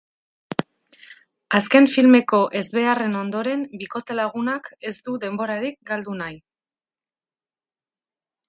Azken filmeko ezbeharren ondoren, bikote-lagunak ez du denborarik galdu nahi.